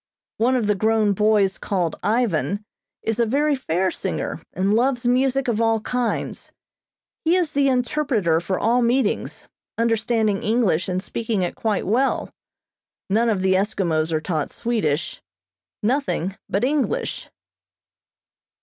One of the grown boys called Ivan is a very fair singer, and loves music of all kinds. He is the interpreter for all meetings, understanding English and speaking it quite well. None of the Eskimos are taught Swedish nothing but English.